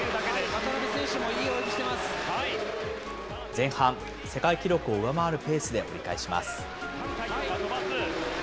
前半、世界記録を上回るペースで折り返します。